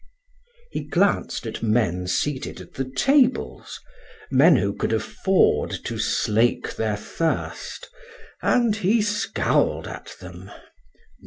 He glanced at men seated at the tables, men who could afford to slake their thirst, and he scowled at them.